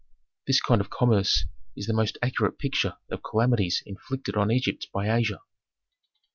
"This kind of commerce is the most accurate picture of calamities inflicted on Egypt by Asia.